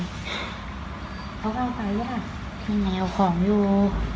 เอาไปอ่ะที่ไหนเอาของอยู่